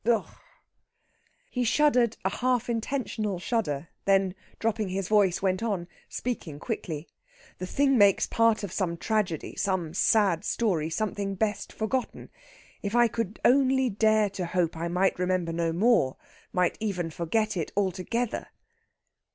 He shuddered a half intentional shudder; then, dropping his voice, went on, speaking quickly: "The thing makes part of some tragedy some sad story something best forgotten! If I could only dare to hope I might remember no more might even forget it altogether."